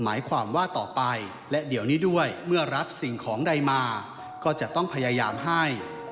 หมายความว่าต่อไปและเดี๋ยวนี้ด้วยเมื่อรับสิ่งของใดมาก็จะต้องพยายามให้